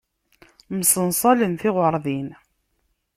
Msenṣalen tiɣeṛdin.